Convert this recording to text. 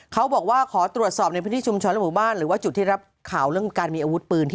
เขาบอกว่าขอตรวจสอบในพื้นที่ชุมชนและหมู่บ้านหรือว่าจุดที่รับข่าวเรื่องการมีอาวุธปืน